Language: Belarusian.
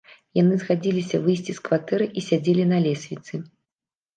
Яны здагадаліся выйсці з кватэры і сядзелі на лесвіцы.